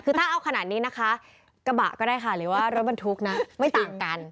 คือถ้าเอาขนาดนี้นะคะกระบะก็ได้ค่ะหรือว่ารถบรรทุกนะไม่ต่างกัน